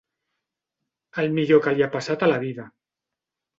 El millor que li ha passat a la vida.